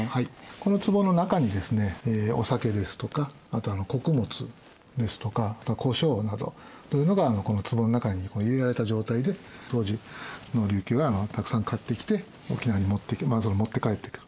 このつぼの中にですねお酒ですとかあとは穀物ですとか胡椒などというのがこのつぼの中に入れられた状態で当時の琉球はたくさん買ってきて沖縄に持って帰ってくる。